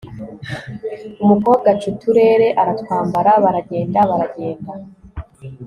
umukobwa aca uturere aratwambara baragenda, baragenda